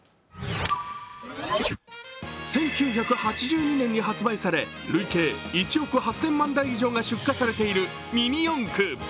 １９８２年に発売され累計１億８０００万台が出荷されているミニ四駆。